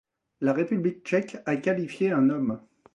La République tchèque a qualifié un homme.